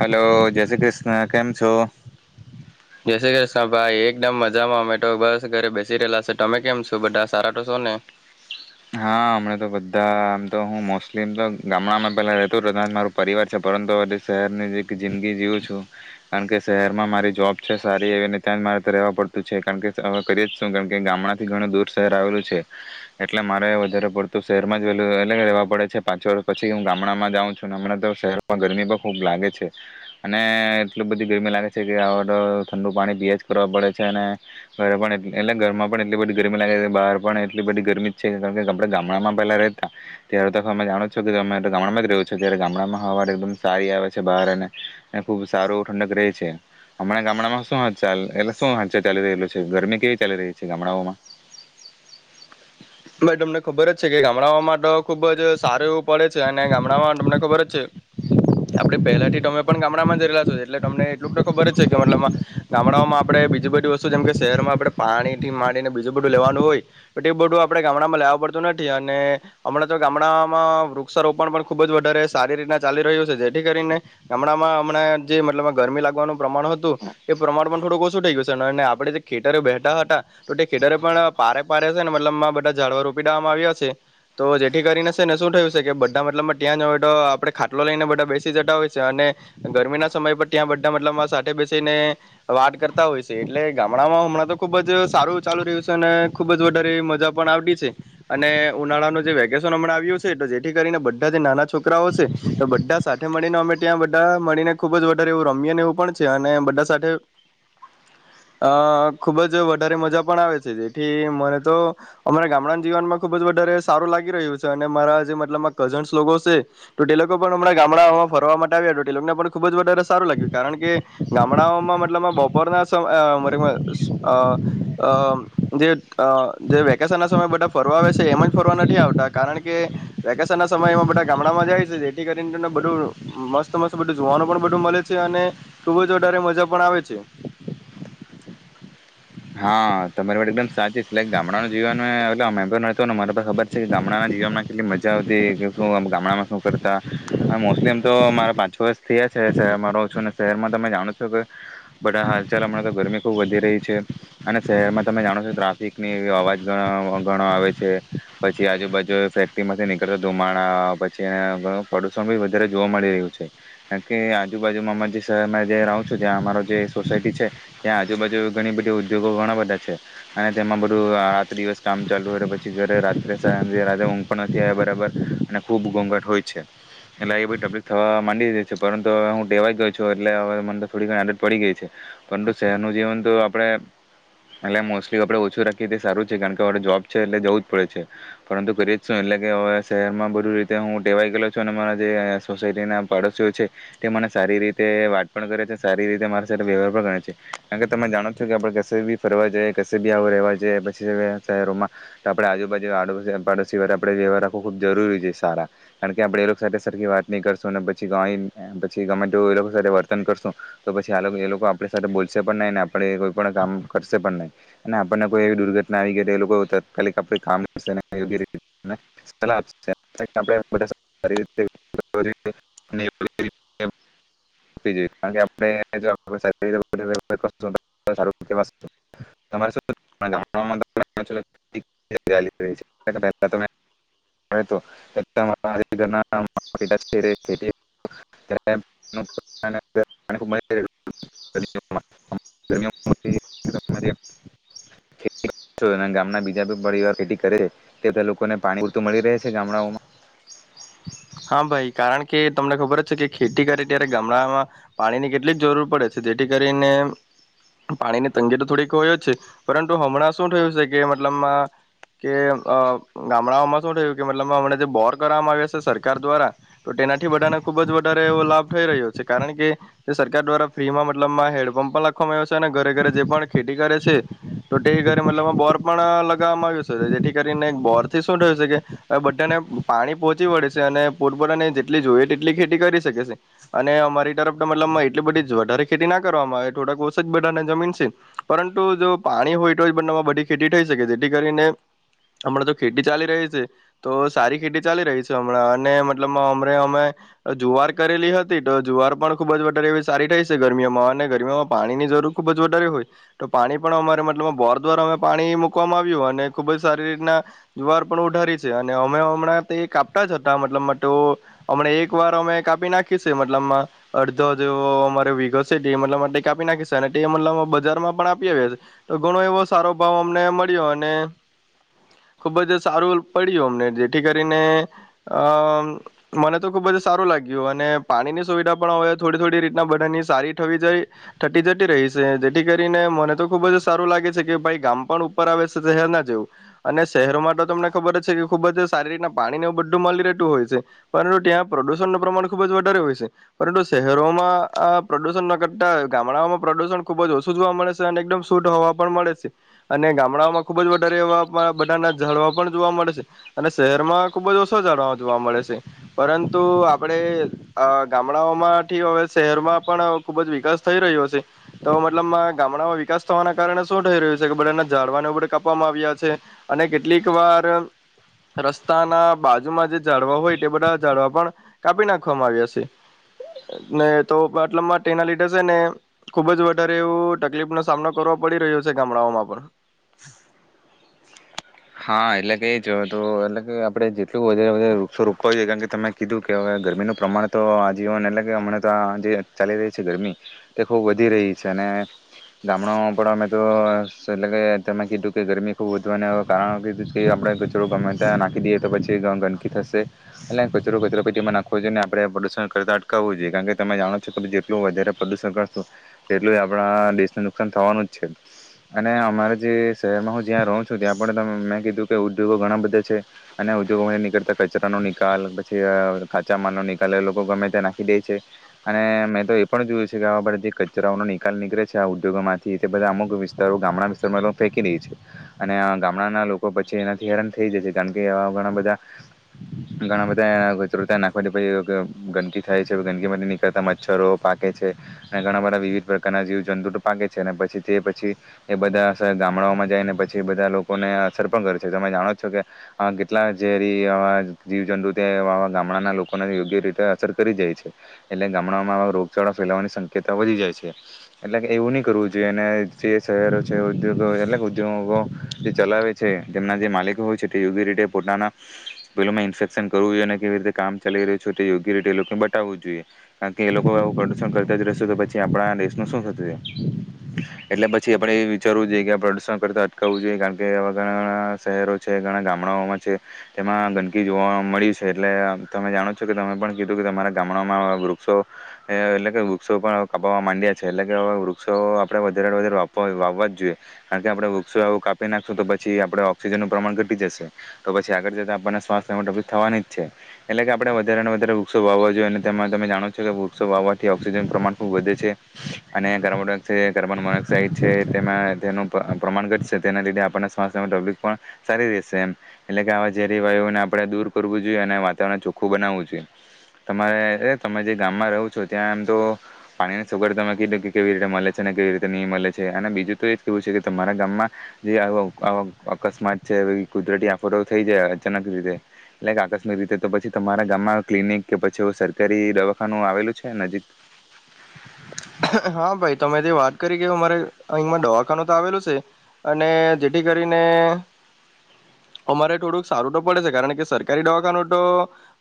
Hello જય શ્રી કૃષ્ણ કેમ છો જય શ્રી કૃષ્ણ ભાઈ એકદમ મજામાં અમેટો બસ ઘરે બેસી રહેલા છે તમે કેમ છો બધા સારા તો શો ને હા હમણાં તો બધા આમ તો હું મોસ્ટલી એમ તો ગામડામાં પેલા રતો તં મારો પરિવાર છે પરંતુ હ શહેરની જે જિંદગી જીવું છું કારણ કે શહેરમાં મારી જોબ છે સારી એવીને ત્યાં જ મારે રવા પડતું છે કારણ કે હવે કરી જ શું કારણ કે ગામડા થી ઘણું દૂર શહેર આવેલું છે એટલે મારે વધારે પડતું શહેરમાં જ વહેલું એગ રહેવા પડે છે પાંચ વર્ષ પછી હું ગામડામાં જાઉં છું હમણાં તો શહેરમાં ગરમી પણ ખૂબ લાગે છે અને એટલી બધી ગરમી લાગે છે કે આ તો ઠંડુ પાણી પીએ જ કરવા પડે છે અને ઘરે પણ એ એટલે ઘરમાં પણ એટલી બધી ગરમી લાગે છે બહાર પણ એટલી બધી ગરમી કારણ કે ગામડામાં પહેલા રહેતા ત્યારે તો અમે જાણો છો કે તમે ગામડામાં જ રહ છો ત્યારે ગામડામાં હવાર એકદમ સારી આવે છે બહાર અને ખૂબ સારું એું ઠંક રહે છે હમણાં ગામડામાં શું ચ એટલે શું હર્ચ ચાલી રહેલું છે ગરમી કેવી ચાલી રહી છે ગામડાઓમાં ભાઈ તમને ખબર જ છે કે ગામડાઓ માટે ખુબ જ સારું એવું પડે છે અને ગામડામાં તમને ખબર જ છે આપડે પહેલા થી તમે પણ ગામડામાં એટલે તમને એટલું તો ખબર જ છે કે મતલબ ગામડાઓમાં આપડે બીજી બધી વસ્તુ જેમ કે શહેરમાં આપણે પાણી થી માંડીને બીજું બધું લેવાનું હોયટ એ બધું આપણે ગામડામાં લેવા પડતું નથી અને હમણાં તો ગામડામાં વૃક્ષારોપણ પણ ખુબ જ વધારે સારી રીતના ચાલી રહ્યું છે જેથી કરીને ગામડામાં હમણાં જે મતલબ ગરમી લાગવાનું પ્રમાણ હતું એ પ્રમાણ પણ થોડુંક ઓછું થઈ ગયું છે અને આપણે જે ખેતરે બેઠા હતા તો તે ખેતરે પણ પારે પારે છે ને મતલબમાં ડવા રોપી દવામાં આવ્યા છે તો જેથી કરીને છે ને શું થયું છે કે બધા મતલબમાં ત્યાં જો આપડણે ખાટલો લઈને બધા બેસી જતા હોય છે અને ગરમીના સમય પર ત્યાં બધા મતલબમાં સાથે બેસીને વાટ કરતા હોય છે એટલે ગામડામાં હમણાં તો ખુબ જ સારું ચાલુ રહ્યું છે અને ખુબ જ વધારે મજા અને ઉનાળાનું જે વેકેશનમણા આવ્યું છે તો જેથી કરીને બધા જે નાના છોકરાઓ છે તો બધા સાથે મળીને અમે ત્યાં બધા મળીને ખુબ જ વધારે એવું રમીએને એવું પણ છે અને બધા સાથે અ ખુબ જ વધારે મજા પણ આવે છે જેથી મને તો અમારા ગામડાના જીવનમાં ખુબ જ વધારે સારું લાગી રહ્યું છે અને મારા જે મતલબ કઝન્સ લોકો છે તો ટેલો પણં ગામડાઓમાં ફરવા માટે આવ્યા ટેને પણ ખુબ જ વધારે સારું લાગ્યું કારણ કે ગામડાઓમાં મતલબ બપોરના જે વેકેશન ના સમય બધા ફરવા આવે છે એમ જ ફરવા નથી આવતા કારણ કે વેકેશન ના સમય એમાં બધા ગામડામાં જાય છે જેથી કરીને તને બું મસ્ત મસ્ત બ જોવાનું પણ બું મળે છે અને ખુબ જ વધારે મજા પણ આવે છે હા તમારી માટે એકદમ સાચી સલા ગામડા જી ન અલે અમે પણ ન ને મારા ખબર છે કે ગામડાના જીવનમાં કેટલી મજા આવતી કે શું ગામડામાં શું કરતા હવે મોસ્ટલી એમ તો મારા પાંચ વર્ષ છે અમારો ઓછું શહેરમાં તમે જાણો છો કે બધા હાલ ચ હણા તો ગરમી બહુ વધી રહી છે અને શહેરમાં તમે જાણો છો ટ્રાફિક ની અવાજ ગણો આવે છે પછી આજુબાજુ ફેક્ટરીમાંથી નીકળતા ધુમાડા પછી પ્રદુષણ બી વધારે જોવા મળી રહ્યું છે કાર કે આજુબાજુમાં જે શહેરમાં જ રહું છું ત્યાં અમારો જે સોસાયટી છે ત્યાં આજુબાજુ ઘણી બધી ઉદ્યોગો ઘણા બધા છે અને તેમાં બધું રાત દિવસ કામ ચાલુ હોય પછી જારે રાત્રે ઊંઘ પણ નથી આવ્યા બરાબર અને ખુબ ઘોંઘાટ હોય છે એટલે એ બધી ટબલીિક થવા માંડી છે પરંતુ હવે હું ેવાઈ ગયો છું એટલે હવે મને તો થોડી ઘ આડત પડી ગઈ છે પરંતુ શહેરનું જીવન તો એટ મોસ્ટલી આપડે ઓછું રાખીએ તે સારું છે કારણ કે જોબ છે એટલે જવું જ પડે છે પરંતુ કરીએ જ શું એટલે કે હવે શહેરમાં બધું રીતે હું ટેવાઈ ગેલો છું અને મારા જે સોસાયટી ના પાડોશી છે તે મને સારી રીતે વાત પણ કરે છે સારી રીતે મારી સાથે વ્યવહાર કરે છે કારણ કે તમે જાણો કે આપણે કશે બી ફરવા જઈએ ક બી આવું ર રહેવા જઈએ પછી શહેરોમાં તો આપે આજુબાજુ પાડોશી વા આપડે વ્યવહ રાખવો ખુબ જરૂરી છે સારા કારણ કે આપણે એ લોકો સાથે સરખી વાત નહી કરશું પછી ગ પછી ગમે તો એ લોકો સાથે વર્તન કરશું તો પછી એ લોકો આપ સાથે બોલશે પણ નહી ને આપણે કોઈ પણ કામ કરશે પણ નહીં અને આપણને કોઈ એવી દુર્ઘટના આવી ગઈ એ લોકો તાત્કાલિક આપ કામયોગ્ય સલાહ આપશે ર [inaudible] ઘર ના માટ છે [inaudible] ગામના બીજા પરિવાર ખેતી કરે તે લોકોને પાણી પૂરતું મળી રહે છે ગામડાઓમાં હા ભાઈ કારણ કે તમને ખબર છે કે ખેતી કરે ત્યારે ગામડાઓમાં પાણીની કેટલીક જરૂર પડે છે જેથી કરીને પાણીની તંગી તો થોડીક હોય જ છે પરંતુ હમણાં શું થયું છે કે મતલબમાં કે ગામડાઓમાં શું થયું કે મતલબ હમણા જે બોર કરવામાં આવ્યા છે સર ઘર દ્વારા તો તેનાથી બધાને ખુબ જ વધારે એવો લાભ થઈ રહ્યો છે કારણ કે સરકાર દ્વારા ફ્રીમાં મતલબમાં હેડપંપ પણ લખવામાં આવ્યો છે અને ઘરે ઘરે જે પણ ખેતી કરે છે તો તે ઘરે મતલબ બોર પણ લગાવવામાં આવ્યું છે જેથી કરીને બોર થી શું થયું છે કે બધાને પાણી પોહોંચી વડે છે અને પોરપોરને જેટલી જોઈએ તેટલી ખેતી કરી શકે છે અને અમારી તરફ તો મતલબમાં એટલી બધી વધારે ખેતી ના કરવામાં આવે થોડાક ઓછ જ બધા જમીન છે પરંતુ જો પાણી હોય તો જ બમાં બધી ખેતી થઈ શકે જેથી કરીને હમણા જો ખેતી ચાલી રહી છે તો સારી ખેતી ચાલી રહી છે હમણાં અને મતલબ અમ અમે જુવાર કરેલી હતી તો જુવાર પણ ખુબ જ વધારે એવી સારી થાય છે ગરમીઓમાં અને ગરમીઓમાં પાણી ની જરૂર ખુબ જ વધારી હોય તો પાણી પણ અમારે મતલબ બોર દ્વારા અમે પાણી મૂકવામાં આવ્યું અને ખુબ જ સારી રીતના જુવાર પણ ઉઢારી છે અને અમે હમણાં તે મ એક વાર અમે કાપી નાખી છે મતલબ અડધો જેવો અમારે વગો છે કાપી નાખી છે અને મતલબ બજારમાં પણ આપી છે તો ઘણો એવો સારો ભાવ અમને મળ્યો અને ખુબ જ સારું પડ્યું અમને જેથી કરીને અ મને તો ખુબ જ સારું લાગ્યું અને પાણીની સુવિધા પણ હવે થોડી થોડી રીતના બટનની સારીવી જ ટી જટી રહી છે જેથી કરીને મને તો ખુબ જ સારું લાગે છે કે ભાઈ ગામ પણ ઉપર આવે છે શહેર ના જવું અને શહેરો માટે તો તમને ખબર જ છે કે ખુબ જ સારી રીતના પાણીનો હોય છેંતુ ત્યાં પ્રદુષણ ન પ્રમાણ ખુબ જ વધારે હોય છે પરંતુ શહેરોમાં આ પ્રદુષણ ન કરતા ગામડાઓમાં પ્રદુષણ ખુબ જ ઓછું જોવા મળે છે અને એકદમ શૂટ હોવા પણ મળે છે અને ગામડાઓમાં ખુબ જ વધારે એવા બધાના જળવા પણ જોવા મળે છે અને શહેરમાં ખુબ જ ઓ છો જાળવા જોવા મળે છે પરંતુ આપડે ગામડાઓમાંથી હવે શહેરમાં પણ ખુબ જ વિકાસ થઈ રહ્યો છે તો મતલબ ગામડામાં વિકાસ થવાના કારણે શું થઈ રહ્યું છે કે બધાને જાડવાને બ કાપવામાં આવ્યા છે અને કેટલીક વાર રસ્તાના બાજુમાં જે ાડવા હોય તે બધા ઝડવા પણ કાપી નાખવામાં આવ્યા છે ને તોટલમાં તેના લીધર છે ને ખુબ જ વધારે એવું તકલીફનોો સામનો કરવો પડી રહ્યો છે ગામડાઓમાં પણ હા એટલે કે એ જો તો એટલે કે આપડે જી એટલ વધારે વધ વૃક્ષોપવાઈ છે કારણ કે તમે કીધું કે હવે ગરમીનું પ્રમાણ તો આજીવન એટલે કે હમણાં તો આ જે ચાલી રહી છે ગરમી તે ખૂબ વધી રહી છે અને ગામડો પણ અં તો એટલે કે તમે કીધું કે ગરમી ખૂબ વધુ અને કાર ક કે આપણે કચરો ગમે ત્યાં નાખી દઈએ તો પછી ગંદકી થશે અને કચરો કચરો પેટીમાં નાખવો જોઈએ અને આપણે પ્રદુષણ કરતા અટકાવવું જોઈએ કારણ કે તમે જાણો છો કે જેટલું વધારે પ્રદુષણ કરશું તેટલું આપણા દેશને નુકસાન થવાનું જ છે અને અમારા જે શહેરમાં હું જ્યાં રહું છું ત્યાં પણ મેં કીધું કે ઉદ્યોગો ઘણા બધા છે અને ઉદ્યોગોમાંથી નીકળતા કચરાનો નિકાલ પછી કાચા માલનો નિકાલ એ લોકો ગમે ત્યાં નાખી દે છે અને મેં તો એ પણ જોયું છે કે આવા બ જે કચરાઓનો નિકાલ નીકળે છે આ ઉદ્યોગોમાંથી તે બધા અમુક વિસ્તારો ગામડા વિસ્તારોમાં લોકો ફેંકી દે છે અને ગામડાના લોકો પછી એનાથી હેરાન થઈ જાય છે કારણ કે એવા ઘણા બધા ઘણા બધા એ ગતરતા નાખવાથી પછી ગંદકી થાય છે ગંદકીમાંથી નીકળતા મચ્છરો પાકે છે અને ઘણા બધા વિવિધ પ્રકારના જીવ જંતુઓ પાકે છે અને પછી તે પછી એ બધા ગામડાઓમાં જાય ને પછી એ બધા લોકોને અસર પણ કરે છે તમે જાણો છો કે આ કેટલા ઝેરી આવા જીવજંતુ તે ગામડાના લોકોને યોગ્ય રીતે અસર કરી જાય છે એટલે ગામડામાં આવા રોગચાળા ફેલાવાની શક્યતા વધી જાય છે એટલે એવું નહી કરવું જોઈએ અને જે શહેરો છે ઉદ્યોગો એટક ઉદ્યોગો જે ચલાવે છે જેમના જે માલિકો હોય છે તે યોગ્ય રીતે પોતાના પેલોમાં ઇન્ફેક્શન કરવું જોઈએ અને કેવી રીતે કામ ચાલી રહ્યું છે તે યોગ્ય રીતે એ લોકોને બતાવવું જોઈએ કારણ કે એ લોકો પ્રદુષણ કરતા જ રહેશે તો પછી આપણા દેશનું શું થત એટલે પછી આપણે એ વિચારવું જોઈએ કે આ પ્રદુષણ કરતા અટકાવવું જોઈએ કારણ કેવા ઘણા ઘણા શહેરો છે ઘણા ગામડાઓમાં છે તેમાં ગંદકી જોવા મળી છે એટલે તમે જાણો છો કે તમે પણ કીધું કે તમારા ગામડામાં વૃક્ષો એટલે કે વૃક્ષો પણ કાપવા માંડ્યા છે એટલે કે હવે વૃક્ષો આપણે વધારે વધારે વાવવા જ જોઈએ કારણ કે આપણે વૃક્ષો એવું કાપ નાખશો તો પછી આપણે ઓક્સિજનનું પ્રમાણ ઘટી જશે તો પછી આગળ જતા આપણને સ્વાસ્થ્ય થવાની જ છે એટલે કે આપણે વધારે ને વધારે વૃક્ષો વાવવા જોઈએ અને તેમાં તમે જાણો છો કે વૃક્ષો વાવવાથી ઓક્સિજનનું પ્રમાણ ખૂબ વધે છે અને કાર્બન ડાયોક્સાડ કાર્બન મોનોક્સાઇડ છે તેમાં તેનું પ્રમાણ ઘટશે તેના લીધે આપ સ્બલી પણ સારી રહેશે એમ એટલે કે આવા જે રિવાયુને આપણે દૂર કરવું જોઈએ અને વાતાવરણ ચોખ્ખું બનાવવું જોઈએ તમારે તમે જે ગામમાં રહો છો ત્યાં એમ તો પાણીની સગડ તમે કીધ કેવી રીતે મળે છે અને કેવી રીતે નહીં મળે છે અને બીજું તો એ જ કેવું છે કે તમારા ગામમાં જે અકસ્માત છે કુદરતી આફડ થઈ જાય અચાનક રીતે લ આકસ્મિક રીતે તો પછી તમારા ગામમાં ક્લિનિક કે પછી સરકારી દવાખાનું આવેલું છે નજીક હા ભાઈ તમે જે વાત કરી કે અમારે અહીંમાં દવાખાનું તો આવેલું છે અને જેથી કરીને અમારે થોડુંક સારું તો પડે છે કારણ કે સરકારી દવાખાનું તો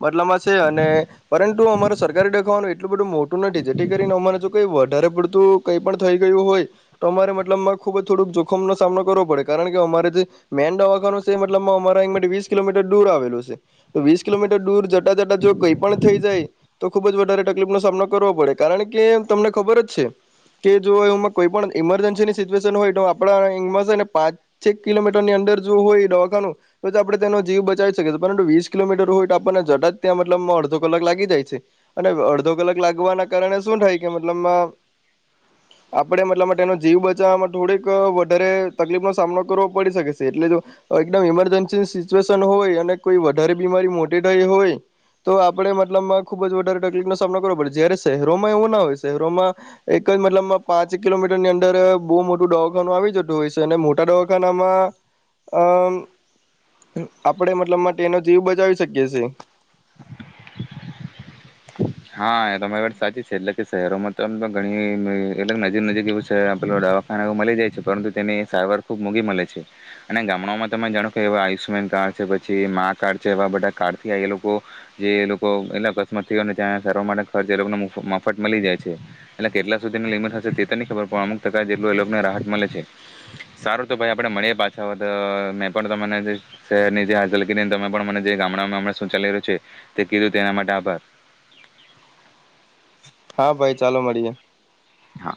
બદલામાં છે અને પરંતુ અમારે સરકારી દેખાવાનું એ બધું મોટું િજટ જો વધારે પડતું કઈ પણ થઈ ગયું હોય તો અમારે મતલબમાં ખુબ જ થોડુંક જોખમ નો સામનો કરવો પડે કારણ કે અમારે જે મેન દવાખા છે મતલબમાં અમારા વીસ કિલોમીટર દૂર આવેલું છે તો વીસ કિલોમીટર દૂર ટટ જો કઈ પણ થઈ જાય તો ખુબ જ વધારે તકલીફ નો સામનો કરવો પડે કારણ કે તમને ખબર જ છે કે જો એમાં કોઈ પણ ઈમર થાય કે મતલબ આપણે મતલબ તેનો જીવ બચાવવામાં થોડીક વધારે તકલીફ નો સામનો કરવો પડી શકે છે એટલે જો એકદમ ઇમરજન્સી સિચ્યુએશન હોય અને કોઈ વધારે બીમારી મોટી થઈ હોય તો આપડણે મતલબ ખુબ જ વધારે તકલીફ નો સામનો કરવો પડે જ રોમાં એવું ના હોય છે રોમાં એક જ મતલબ પાંચ કિલોમીટર ની અંદર બહુ મોટું દવાખાનું આવી જતું હોય છે અને મોટા દવાખાનામાં અ આપણે મતલબ માટેનો જીવ બચાવી શકીએ છે. હા એ તમારી વાત સાચી છે એટલે કે શહેરોમાં તો ઘણીલગ નજીક નજીક એવું છે પે દવાખાના એ મળી જાય છે પરંતુ તેની સારવાર ખુબ મૂઘી મળે છે અને ગામડામાં તમે જાણો કેો આયુષ્યમાન કાર્ડ છે પછી મા કાર્ડ છે એવા બધા કાર્ડ થી એ લોકો જે લોકો એટ અકસ્માત ત્યાં સ માટે ખર્ચ એ લોકો મફત મળી જાય છે એટલે કેટલા સુધીની લિમિટ હશે તે તો નહી ખબર અમુક ટકા જેટલું એ લોકોને રાહત મળે છે સારું તો ભાઈ આપણે મળીએ પાછા હો મેં પણને શહેરની જે હચલ કરી તમે પણ મને જે ગામડામાં શું ચાલી રહ્યું છે તે કીધું તેના માટે આભાર હા ભાઈ ચાલો મળીએ. હા.